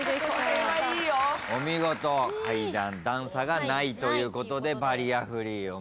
階段段差がないということでバリアフリー。